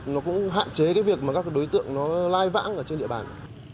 nó cũng hạn chế việc các đối tượng lai vãng ở trên địa bàn